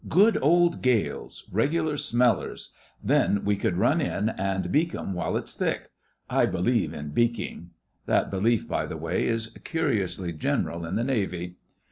Good old gales—regular smellers. Then we could run in and beak 'em while it's thick. I believe in beaking.' (That belief, by the way, is curiously general in the Navy.)